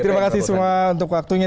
terima kasih semua untuk waktunya